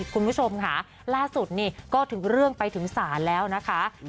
คุณผู้ชมค่ะล่าสุดนี่ก็ถึงเรื่องไปถึงศาลแล้วนะคะ